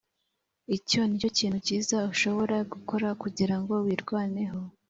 Icyo ni cyo kintu cyiza ushobora gukora kugira ngo wirwaneho.